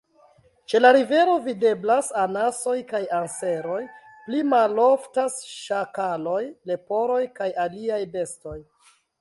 Ĉe la rivero videblas anasoj kaj anseroj; pli maloftas ŝakaloj, leporoj kaj aliaj bestoj.